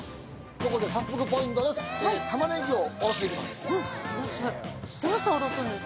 ここで早速ポイントです。